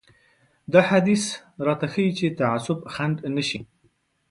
دا حديث راته ښيي چې تعصب خنډ نه شي.